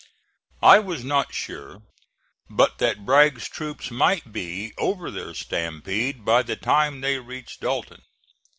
I was not right sure but that Bragg's troops might be over their stampede by the time they reached Dalton.